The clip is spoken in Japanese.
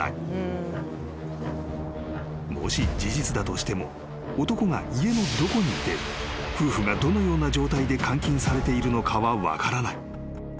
［もし事実だとしても男が家のどこにいて夫婦がどのような状態で監禁されているのかは分からない］